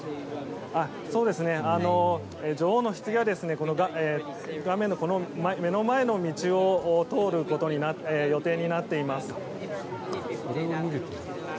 女王のひつぎは画面の目の前の道を通る予定になっています。